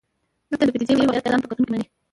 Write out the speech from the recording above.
دلته د پدیدې واقعیت ځان په کتونکو مني.